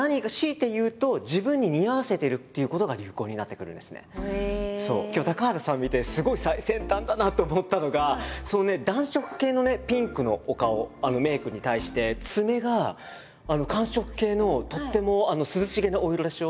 なので強いて言うと今日高畑さん見てすごい最先端だなと思ったのがそのね暖色系のねピンクのお顔メイクに対して爪が寒色系のとっても涼しげなお色でしょ？